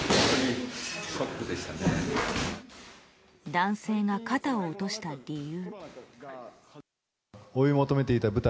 男性が肩を落とした理由。